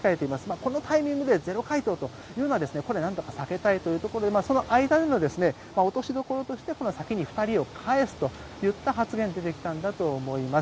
このタイミングでゼロ回答というのはこれはなんとか避けたいというところでその間の落としどころとして先に２人を帰すといった発言が出てきたんだと思います。